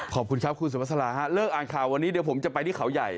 ขอบคุณครับคุณสุภาษาฮะเลิกอ่านข่าววันนี้เดี๋ยวผมจะไปที่เขาใหญ่